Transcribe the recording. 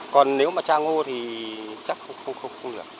còn nếu mà tra ngô thì chắc không được